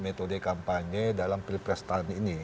metode kampanye dalam pilpres tahun ini